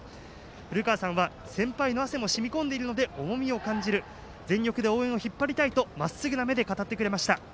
ふるかわさんは先輩の汗も染み込んでいるので重みを感じる全力で応援を引っ張りたいとまっすぐな目で語ってくれました。